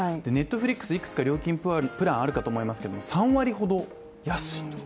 Ｎｅｔｆｌｉｘはいくつか料金プランあるかと思いますけども３割ほど安い。